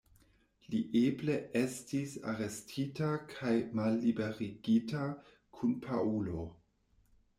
Li eble estis arestita kaj malliberigita kun Paŭlo.